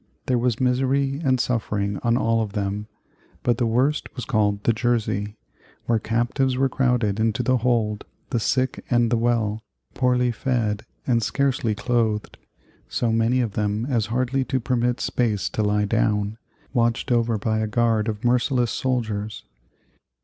There was misery and suffering on all of them, but the worst was called the "Jersey," where captives were crowded into the hold, the sick and the well, poorly fed and scarcely clothed, so many of them as hardly to permit space to lie down, watched over by a guard of merciless soldiers.